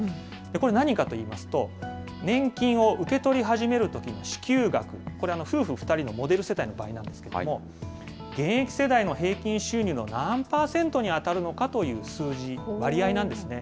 これ、何かといいますと、年金を受け取り始めるときの支給額、これ、夫婦２人のモデル世帯の場合なんですけれども、現役世代の平均収入の何％に当たるのかという数字、割合なんですね。